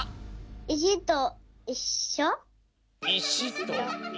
「いしといっしょ」。